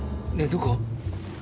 どこ？